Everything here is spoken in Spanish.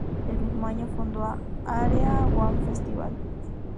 El mismo año fundó Area:One Festival.